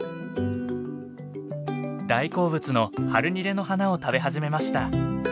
大好物のハルニレの花を食べ始めました。